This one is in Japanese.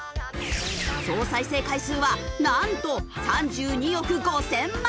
総再生回数はなんと３２億５０００万！